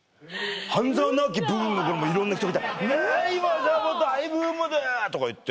『半沢直樹』ブームでいろんな人来たら「ねぇ今もう大ブームで」とか言って。